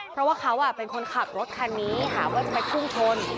เพราะว่าเขาเป็นคนขับรถคันนี้หาว่าจะไปพุ่งชน